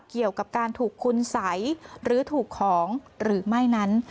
เกี่ยวกับการถูกคุณสัยหรือถูกของหรือไม่นั้น